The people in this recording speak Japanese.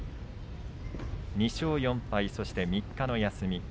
２勝４敗そして３日の休み。